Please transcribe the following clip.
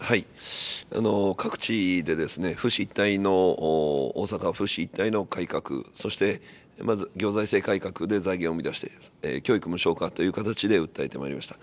各地で府市一体の、大阪府市一体の改革、そして、まず行財政改革で財源を生み出して、教育無償化という形で訴えてまいりました。